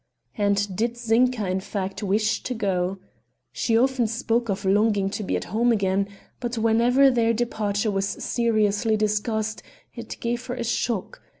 And did Zinka, in fact, wish to go? She often spoke of longing to be at home again, but whenever their departure was seriously discussed it gave her a shock.